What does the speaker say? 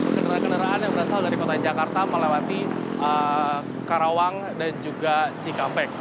kendaraan kendaraan yang berasal dari kota jakarta melewati karawang dan juga cikampek